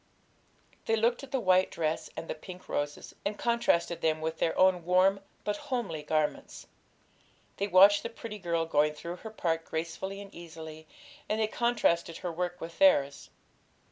They looked at the white dress and the pink roses, and contrasted them with their own warm but homely garments; they watched the pretty girl going through her part gracefully and easily, and they contrasted her work with theirs.